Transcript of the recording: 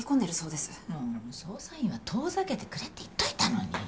もう捜査員は遠ざけてくれって言っといたのに！